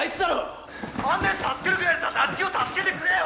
あんなやつ助けるぐらいだったら夏希を助けてくれよ！